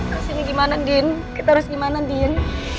terus ini gimana din kita harus gimana din